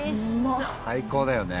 「最高だよね」